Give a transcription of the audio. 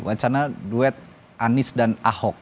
wacana duet anies dan ahok